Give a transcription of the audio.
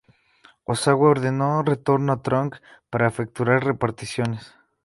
Ozawa ordenó retorno a Truk para efectuar reparaciones.